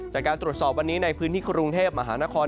จากการตรวจสอบวันนี้ในพื้นที่กรุงเทพมหานคร